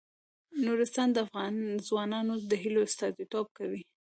نورستان د افغان ځوانانو د هیلو استازیتوب کوي.